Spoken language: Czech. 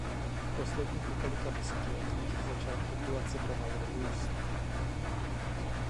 V posledních několika desetiletích začala populace pomalu růst.